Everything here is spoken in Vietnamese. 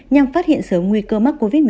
nhằm phát hiện sớm nguy cơ mắc covid một mươi